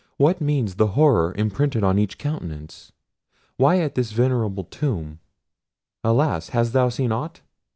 what means the horror imprinted on each countenance? why at this venerable tomb—alas! hast thou seen aught?"